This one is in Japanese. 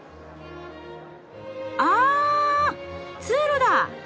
あ通路だ！